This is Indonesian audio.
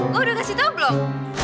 lo udah kasih tau belum